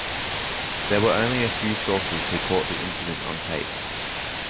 There were only a few sources who caught the incident on tape.